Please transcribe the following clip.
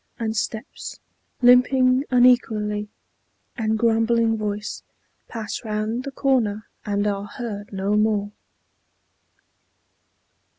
and steps Limping unequally, and grumbling voice, Pass round the corner, and are heard no more.